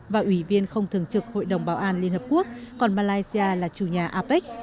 và ủy viên không thường trực hội đồng bảo an liên hợp quốc còn malaysia là chủ nhà apec